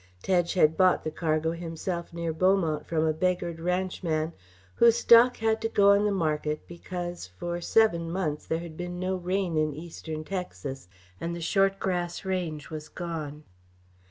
Tedge had bought the cargo himself near Beaumont from a beggared ranchman whose stock had to go on the market because, for seven months, there had been no rain in eastern Texas, and the short grass range was gone.